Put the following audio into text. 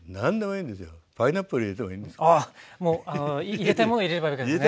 入れたいもの入れればいいわけですね。